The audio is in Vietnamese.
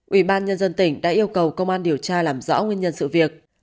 ubnd tỉnh đã yêu cầu công an điều tra làm rõ nguyên nhân sự việc